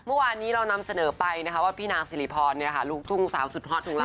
เมื่อวานนี้เรานำเสนอไปนะคะว่าพี่นางสิริพรลูกทุ่งสาวสุดฮอตของเรา